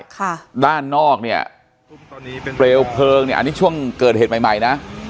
ค่ะด้านนอกเนี่ยเปลวเพลิงเนี่ยอันนี้ช่วงเกิดเหตุใหม่ใหม่นะ